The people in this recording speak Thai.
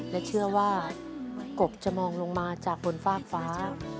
และเชื่อว่ากบจะมองลงมาจากบนฟากฟ้า